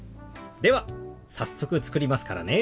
では早速作りますからね。